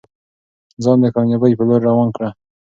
ځان د کامیابۍ په لور روان کړه.